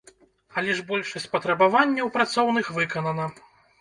Але ж большасць патрабаванняў працоўных выканана.